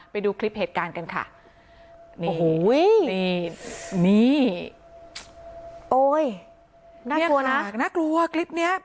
ไปดูคลิปเหตุการณ์กันค่ะนี่โอ้โหนี่นี่โอ้ยน่ากลัวนะน่ากลัวคลิปเนี้ย